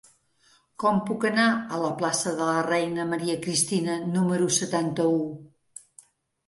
Com puc anar a la plaça de la Reina Maria Cristina número setanta-u?